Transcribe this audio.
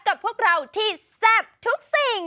กับพวกเราที่แซ่บทุกสิ่ง